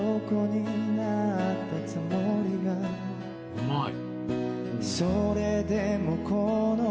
うまい。